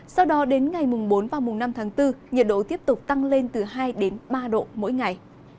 sau đó đến ngày bốn năm tháng bốn nhiệt độ tiếp tục tăng lên từ hai ba độ mỗi ngày